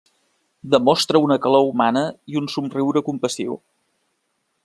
Demostra una calor humana i un somriure compassiu.